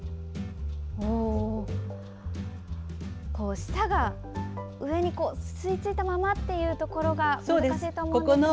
舌が上に吸い付いたままというところが難しいとは思うんですが。